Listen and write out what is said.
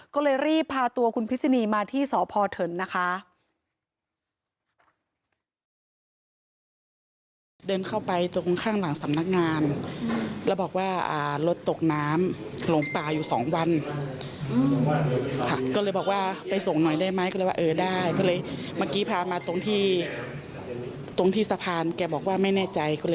ก็เลยรีบพาตัวคุณพิษนีมาที่สพเถินนะคะ